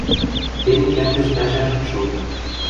Тене кӓнгӹж пӓшӓ шыпшылтын.